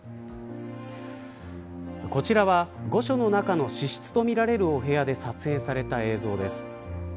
こちらは御所の中の私室とみられるお部屋で撮影された映像です。